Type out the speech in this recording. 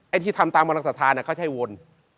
ไอ้ที่ทำตามกำลังสาธาเขาใช้วน